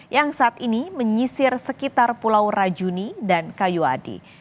yang saat ini menyisir sekitar pulau rajuni dan kayuadi